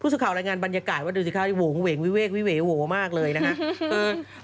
สื่อข่าวรายงานบรรยากาศว่าดูสิคะโหงเหวงวิเวกวิเวโหมากเลยนะฮะ